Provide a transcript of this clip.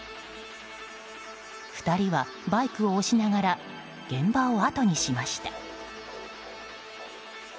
２人はバイクを押しながら現場を後にしました。